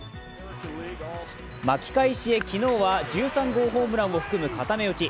巻き返しへ、昨日は１３号ホームランを含む固め打ち。